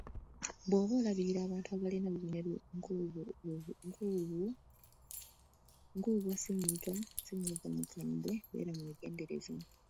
Bw’oba olabirira abantu abalina obubonero ng’obwa ssennyiga ssennyiga omukambwe, beera mwegendereza.